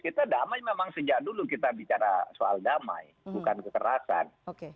kita damai memang sejak dulu kita bicara soal damai bukan kekerasan